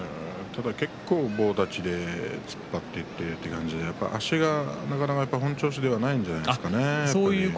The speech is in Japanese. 結構、棒立ちで突っ張っていっているという感じで、足がなかなか本調子ではないんじゃないでしょうかね。